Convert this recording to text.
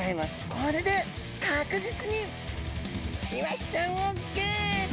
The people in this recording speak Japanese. これで確実にイワシちゃんをゲット！